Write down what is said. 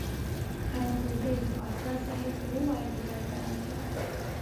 خیر خو دی، باچا صاحب ته ووایه چې دلته راشه.